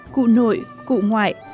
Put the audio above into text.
cụ nội cụ ngoại